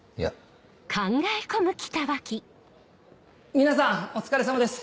皆さんお疲れさまです